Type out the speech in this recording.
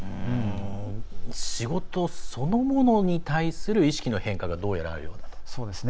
仕事、そのものに対する意識の変化がどうやら、あるようです。